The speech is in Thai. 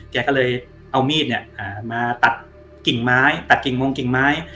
แกก็เลยเอามีดเนี่ยมาตัดกิ่งไม้ตัดกิ่งมงกิ่งไม้